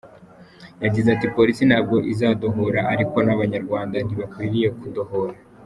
Yagize ati “Polisi ntabwo izadohora ariko n’Abanyarwanda ntibakwiriye kudohora.